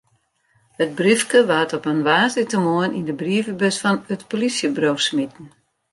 It briefke waard op in woansdeitemoarn yn de brievebus fan it polysjeburo smiten.